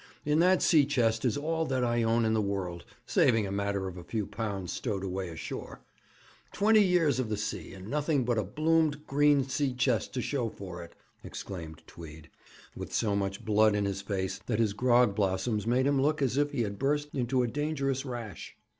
In that sea chest is all that I own in the world, saving a matter of a few pounds stowed away ashore. Twenty years of the sea, and nothing but a bloomed green sea chest to show for it!' exclaimed Tweed, with so much blood in his face that his grog blossoms made him look as if he had burst into a dangerous rash.